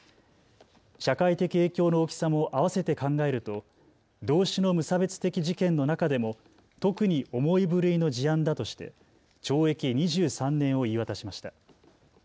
社会的影響の大きさもあわせて考えると同種の無差別的事件の中でも特に重い部類の事案だとして懲役２３年を言い渡しました。